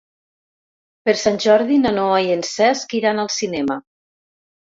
Per Sant Jordi na Noa i en Cesc iran al cinema.